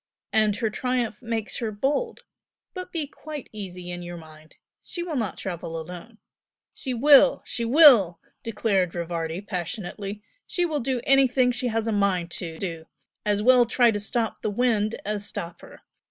and her triumph makes her bold. But be quite easy in your mind! she will not travel alone!" "She will she will!" declared Rivardi, passionately "She will do anything she has a mind to do! As well try to stop the wind as stop her!